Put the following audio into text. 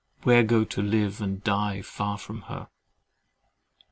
Where go to live and die far from her?